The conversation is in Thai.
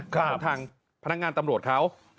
ครับคือทางพนักงานตำรวจเขา